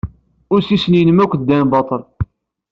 Ussisen-nnem akk ddan baṭel.